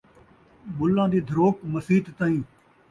ملّاں دی دھروک مسیت تئیں